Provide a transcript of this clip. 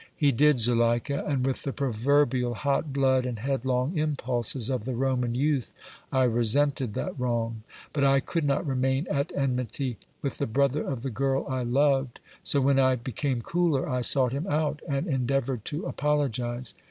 "He did, Zuleika, and with the proverbial hot blood and headlong impulses of the Roman youth I resented that wrong. But I could not remain at enmity with the brother of the girl I loved, so when I became cooler I sought him out and endeavored to apologize."